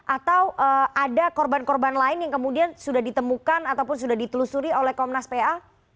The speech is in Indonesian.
atau ada korban korban lain yang kemudian sudah ditemukan ataupun sudah ditelusuri oleh komnas pa